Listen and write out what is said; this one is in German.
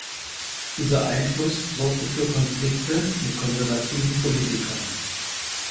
Dieser Einfluss sorgte für Konflikte mit konservativen Politikern.